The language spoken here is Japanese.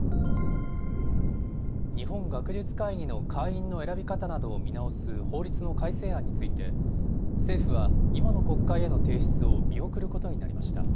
日本学術会議の会員の選び方などを見直す法律の改正案について、政府は今の国会への提出を見送ることになりました。